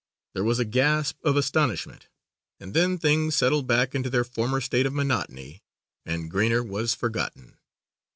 There was a gasp of astonishment and then things settled back into their former state of monotony and Greener was forgotten.